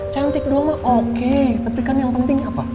cantik doang mah oke tapi kan yang penting apa